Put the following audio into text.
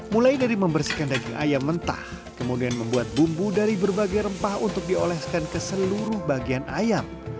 mulai dari membersihkan daging ayam mentah kemudian membuat bumbu dari berbagai rempah untuk dioleskan ke seluruh bagian ayam